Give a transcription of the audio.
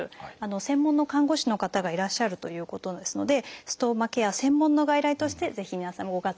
専門の看護師の方がいらっしゃるということですのでストーマケア専門の外来としてぜひ皆さんもご活用ください。